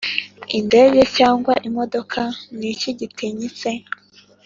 indege cyangwa imodoka ni iki gitinyitse